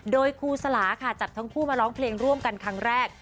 โดยครูสลาค่ะจับทั้งคู่มาร้องเพลงร่วมกันครั้งแรก